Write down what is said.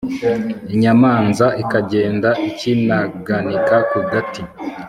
inyamanza ikagenda ikinaganika ku gati